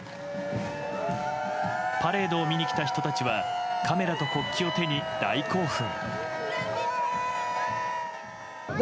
パレードを見に来た人たちはカメラと国旗を手に大興奮。